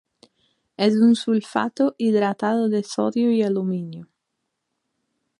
Es un sulfato hidratado de sodio y aluminio.